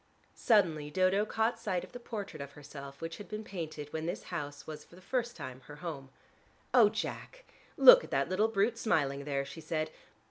Suddenly Dodo caught sight of the portrait of herself which had been painted when this house was for the first time her home. "Oh, Jack, look at that little brute smiling there!" she said.